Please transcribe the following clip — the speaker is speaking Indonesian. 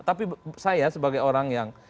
tapi saya sebagai orang yang